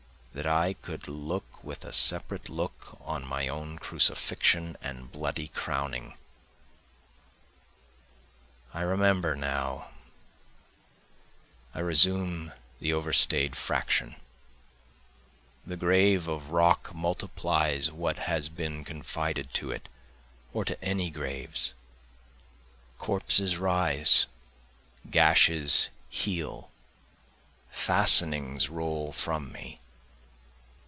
That I could look with a separate look on my own crucifixion and bloody crowning. I remember now, I resume the overstaid fraction, The grave of rock multiplies what has been confided to it, or to any graves, Corpses rise, gashes heal, fastenings roll from me.